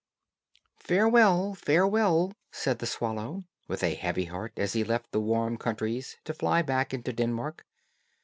"Farewell, farewell," said the swallow, with a heavy heart as he left the warm countries to fly back into Denmark.